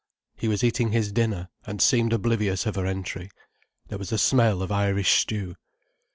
He was eating his dinner, and seemed oblivious of her entry. There was a smell of Irish stew.